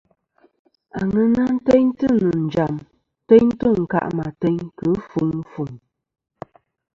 Aŋena teyntɨ nɨ̀ njàm teyntɨ ɨnkâˈ ateyn kɨ ɨfuŋ ɨfuŋ.